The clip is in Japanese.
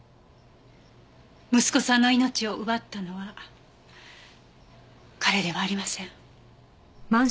息子さんの命を奪ったのは彼ではありません。